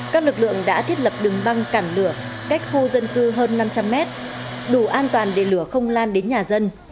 các lực lượng đã thiết lập đường băng cản lửa cách khu dân cư hơn năm trăm linh mét đủ an toàn để lửa không lan đến nhà dân